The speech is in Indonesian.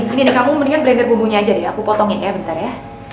ini nih kamu mendingan blender bumbunya aja deh aku potongin ya bentar ya